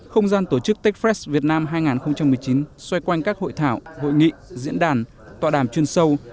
không gian tổ chức techfest việt nam hai nghìn một mươi chín xoay quanh các hội thảo hội nghị diễn đàn tọa đàm chuyên sâu